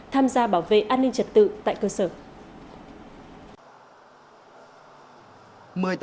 tham gia bảo vệ an ninh trật tự tại cơ sở